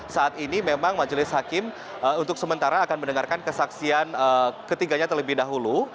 saat ini memang majelis hakim untuk sementara akan mendengarkan kesaksian ketiganya terlebih dahulu